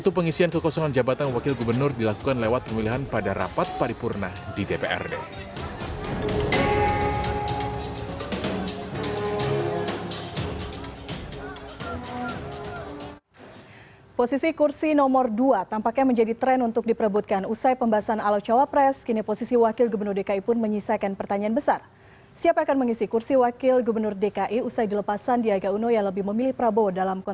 tapi kalau gerindra saya kira akan mengusulkan calon juga